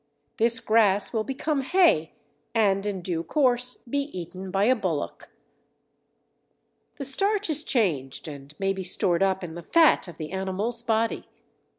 This grass will become hay and in due course be eaten by a bullock. The starch is changed and may be stored up in the fat of the animal's body.